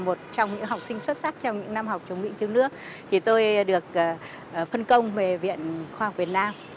một trong những học sinh xuất sắc trong những năm học chống bị thiếu nước thì tôi được phân công về viện khoa học việt nam